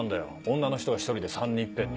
女の人が１人で３人いっぺんに。